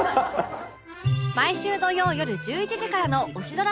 毎週土曜よる１１時からのオシドラサタデー